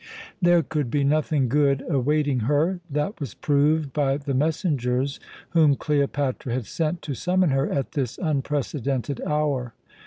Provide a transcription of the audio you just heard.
There could be nothing good awaiting her; that was proved by the messengers whom Cleopatra had sent to summon her at this unprecedented hour.